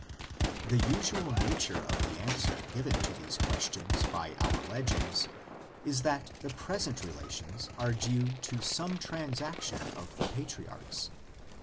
The usual nature of the answer given to these questions by our legends is that the present rela tions are due to some transaction of the patriarchs: VARIETIES OF THE LEGENDS.